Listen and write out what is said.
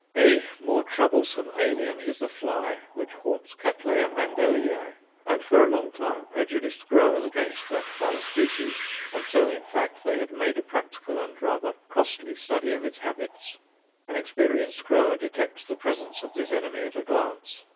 A more troublesome alien is the fly which haunts Cattleya Mendellii, and for a long time prejudiced growers against that fine species, until, in fact, they had made a practical and rather costly study of its habits. An experienced grower detects the presence of this enemy at a glance.